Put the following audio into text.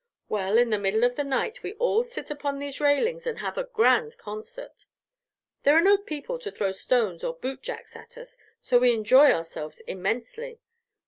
Well, in the middle of the night we all sit upon these railings and have a grand concert. There are no people to throw stones or bootjacks at us, so we enjoy ourselves immensely.